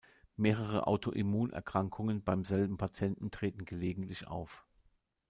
Mehrere Autoimmunerkrankungen beim selben Patienten treten gelegentlich auf.